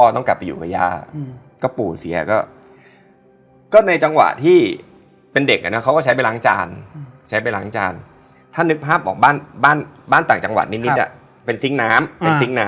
แต่มันไม่ได้น่ากลัวขนาดนั้น